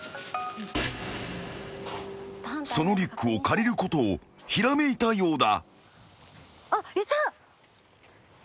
［そのリュックを借りることをひらめいたようだ］